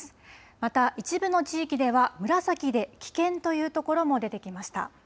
また一部の地域では紫で危険という所も出てきました。